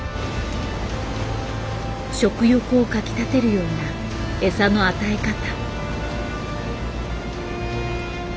食欲をかきたてるような餌の与え方。